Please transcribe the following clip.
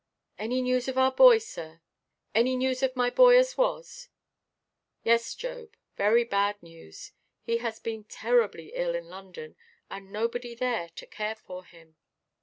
"Any news of our boy, sir? Any news of my boy as was?" "Yes, Job; very bad news. He has been terribly ill in London, and nobody there to care for him."